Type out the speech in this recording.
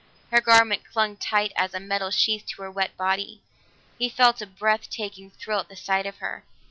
Her garment clung tight as a metal sheath to her wet body; he felt a breath taking thrill at the sight of her.